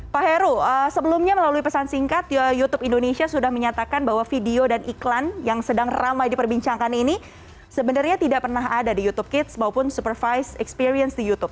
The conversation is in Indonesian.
pak heru sebelumnya melalui pesan singkat youtube indonesia sudah menyatakan bahwa video dan iklan yang sedang ramai diperbincangkan ini sebenarnya tidak pernah ada di youtube kids maupun supervise experience di youtube